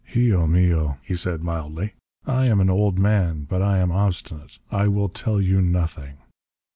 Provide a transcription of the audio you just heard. "Hijo mio," he said mildly, "I am an old man. But I am obstinate. I will tell you nothing."